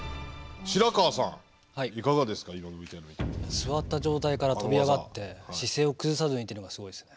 座った状態から跳び上がって姿勢を崩さずにっていうのがすごいですね。